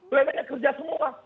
bule bule kerja semua